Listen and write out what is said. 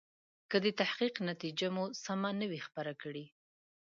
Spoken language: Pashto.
که د تحقیق نتیجه مو سمه نه وي خپره کړو.